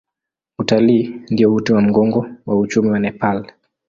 Utalii ndio uti wa mgongo wa uchumi wa Nepal.